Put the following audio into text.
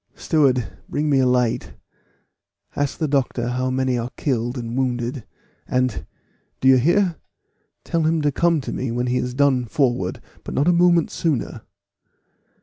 "Steward, bring me a light. Ask the doctor how many are killed and wounded; and do you hear? tell him to come to me when he is done forward, but not a moment sooner.